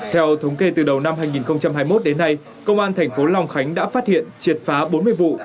theo thống kê từ đầu năm hai nghìn hai mươi một đến nay công an thành phố long khánh đã phát hiện triệt phá bốn mươi vụ